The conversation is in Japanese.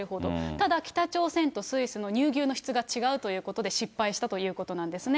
ただ、北朝鮮とスイスの乳牛の質が違うということで、失敗したということなんですね。